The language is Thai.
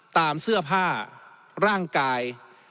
ตามเสื้อผ้าร่างกาย